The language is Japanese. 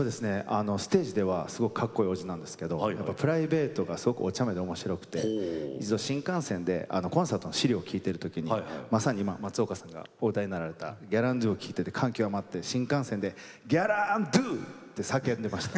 ステージではすごくかっこいいおじなんですけどプライベートがすごくおちゃめでおもしろくて実は新幹線でコンサートの資料を聴いてるときにまさに松岡さんがお歌いになられた「ギャランドゥ」を聴いて感極まって新幹線の中で「ギャランドゥ」って叫んでました。